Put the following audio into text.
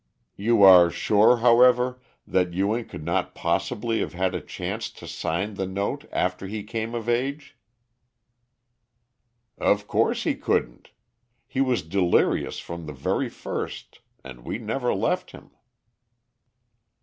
"You are sure, however, that Ewing could not possibly have had a chance to sign the note after he came of age?" "Of course he couldn't. He was delirious from the very first, and we never left him."